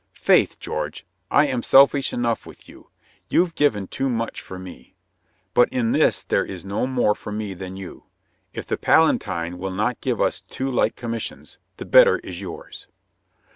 "Faith, George, I am selfish enough with you. You've given too much for me. But in this there is no more for me than you. If the Pala tine will not give us two like commissions, the better is yours."